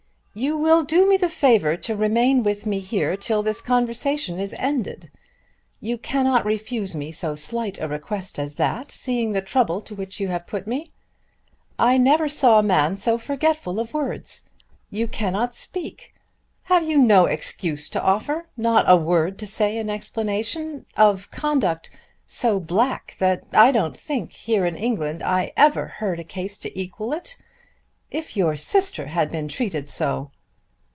"You will do me the favour to remain with me here till this conversation is ended. You cannot refuse me so slight a request as that, seeing the trouble to which you have put me. I never saw a man so forgetful of words. You cannot speak. Have you no excuse to offer, not a word to say in explanation of conduct so black that I don't think here in England I ever heard a case to equal it? If your sister had been treated so!"